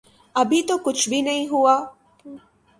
ابھی تو کچھ بھی نہیں ہوا۔